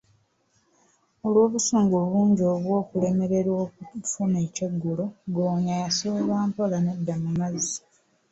Olw'obusungu obungi obw'okulemererwa okufuna ekyeggulo, ggoonya yasooba mpola nedda mu mazzi.